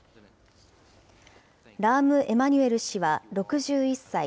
ラーム・エマニュエル氏は６１歳。